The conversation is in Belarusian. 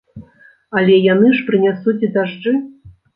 Але яны ж прынясуць і дажджы.